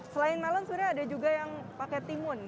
selain melon sebenarnya ada juga yang pakai timun